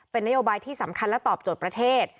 เป็นนโยบายที่สำคัญและตอบโจทย์ประเทศ